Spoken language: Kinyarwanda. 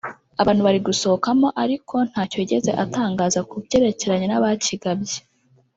abantu bari gusohokamo ariko ntacyo yigeze atangaza ku byerekeranya n’abakigabye